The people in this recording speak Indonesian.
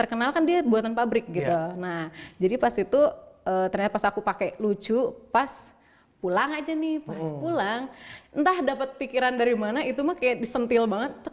entah dapet pikiran dari mana itu mah kayak disentil banget